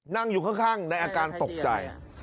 นั่งอยู่ข้างในอาการตกใจ